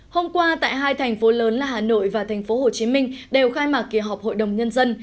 hôm qua tại hai thành phố lớn là hà nội và thành phố hồ chí minh đều khai mạc kỳ họp hội đồng nhân dân